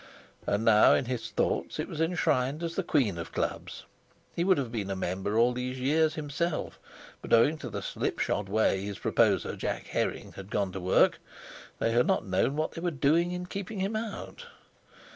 and now in his thoughts it was enshrined as the Queen of Clubs. He would have been a member all these years himself, but, owing to the slipshod way his proposer, Jack Herring, had gone to work, they had not known what they were doing in keeping him out.